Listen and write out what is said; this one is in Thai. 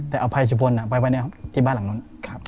แต่เอาภัยสุพลไปไว้ที่บ้านหลังนู้น